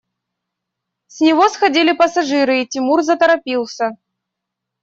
С него сходили пассажиры, и Тимур заторопился.